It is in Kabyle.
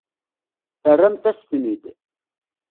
Terramt-as-ten-id.